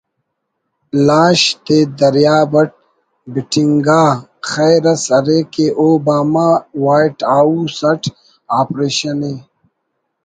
لاش تے دریاب اٹ بٹنگا خبر اس ارے کہ Obama white house it operation ءِ